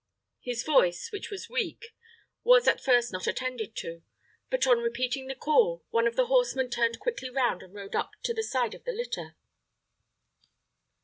His voice, which was weak, was at first not attended to; but, on repeating the call, one of the horsemen turned quickly round and rode up to the side of the litter.